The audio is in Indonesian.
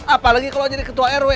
apalagi kalau jadi ketua rw